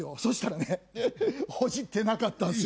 そしたらねほじってなかった。